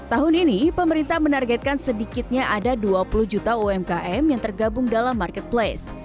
tahun ini pemerintah menargetkan sedikitnya ada dua puluh juta umkm yang tergabung dalam marketplace